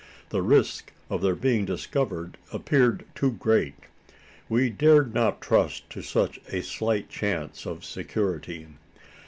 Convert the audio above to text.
The risk of their being discovered appeared too great. We dared not trust to such a slight chance of security.